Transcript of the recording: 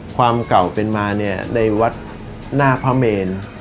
ความเก่าเป็นมาเนี่ยในวัดหน้าพระเมน